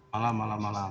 malam malam malam